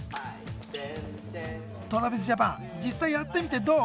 ＴｒａｖｉｓＪａｐａｎ実際やってみてどう？